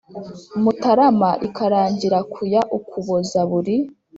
Mutarama ikarangira ku ya ukuboza buri